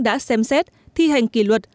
đã xem xét thi hành kỷ luật